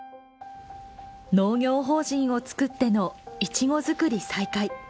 農業法人をつくってのいちごづくり再開。